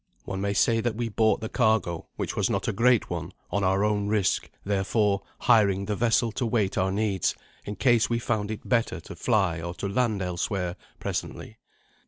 One may say that we bought the cargo, which was not a great one, on our own risk, therefore, hiring the vessel to wait our needs, in case we found it better to fly or to land elsewhere presently.